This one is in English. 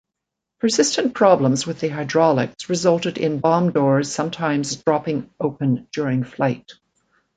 Persistent problems with the hydraulics resulted in bomb doors sometimes dropping open during flight.